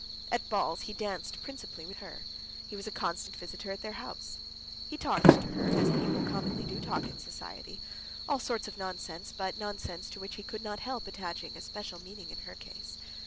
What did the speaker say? At balls he danced principally with her. He was a constant visitor at their house. He talked to her as people commonly do talk in society—all sorts of nonsense, but nonsense to which he could not help attaching a special meaning in her case.